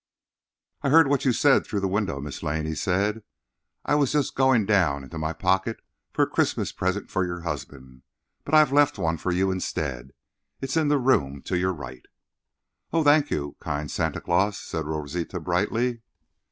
"I heard what you said through the window, Mrs. Lane," he said. "I was just going down in my pocket for a Christmas present for your husband. But I've left one for you, instead. It's in the room to your right." "Oh, thank you, kind Santa Claus," said Rosita, brightly.